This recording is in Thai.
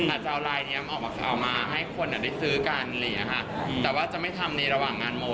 อาจจะเอาลายเนี่ยออกมาให้คนได้ซื้อกันแต่ว่าจะไม่ทำในระหว่างงานโม